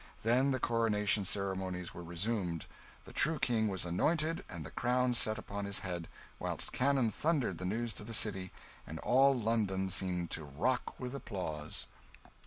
Then the coronation ceremonies were resumed; the true King was anointed and the crown set upon his head, whilst cannon thundered the news to the city, and all London seemed to rock with applause.